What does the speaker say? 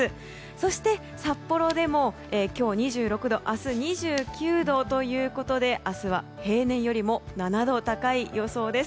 そして札幌でも今日２６度明日２９度ということで明日は、平年よりも７度高い予想です。